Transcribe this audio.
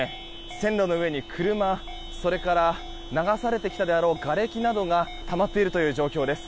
線路の上に車、それから流されてきたであろうがれきなどがたまっているという状況です。